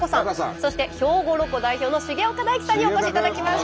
そして兵庫ロコ代表の重岡大毅さんにお越しいただきました。